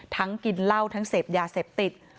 กินเหล้าทั้งเสพยาเสพติด